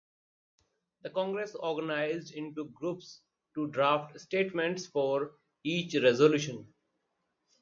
The Congress organized into groups to draft statements for each resolution.